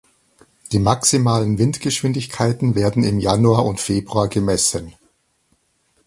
Die maximalen Windgeschwindigkeiten werden im Januar und Februar gemessen.